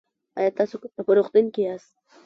ایا تاسو کله په روغتون کې یاست؟